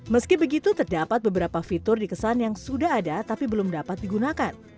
meski begitu terdapat beberapa fitur dikesan yang sudah ada tapi belum dapat digunakan